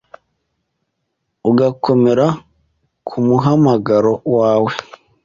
ugakomera ku muhamagaro wawe